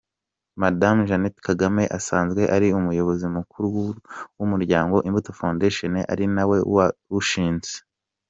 Madame Jeannette Kagame asanzwe ari umuyobozi mukuru w’umuryango Imbuto Foundation, ari nawe wawushinze.